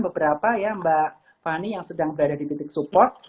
beberapa ya mbak fani yang sedang berada di titik support